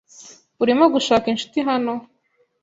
Urimo gushaka inshuti hano?